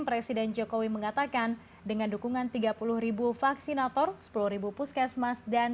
presiden jokowi mengatakan dengan dukungan tiga puluh vaksinator sepuluh puskesmas dan